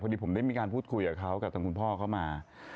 พอดีผมได้มีการพูดคุยอ่ะครัวกับตังค์คุณพ่อเขามา